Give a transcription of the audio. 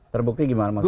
terbukti gimana maksudnya